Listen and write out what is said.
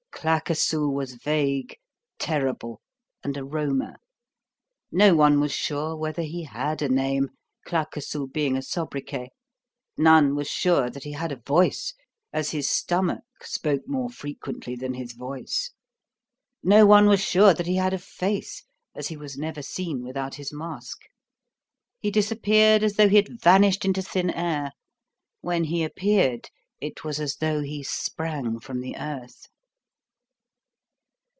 Claquesous was vague, terrible, and a roamer. No one was sure whether he had a name, Claquesous being a sobriquet; none was sure that he had a voice, as his stomach spoke more frequently than his voice; no one was sure that he had a face, as he was never seen without his mask. He disappeared as though he had vanished into thin air; when he appeared, it was as though he sprang from the earth.